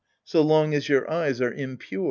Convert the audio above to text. So long as your eyes are impure.